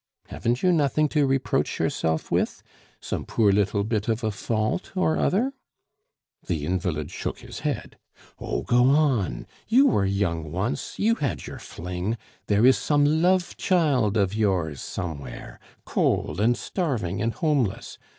Haven't you nothing to reproach yourself with? some poor little bit of a fault or other?" The invalid shook his head. "Oh! go on! You were young once, you had your fling, there is some love child of yours somewhere cold, and starving, and homeless....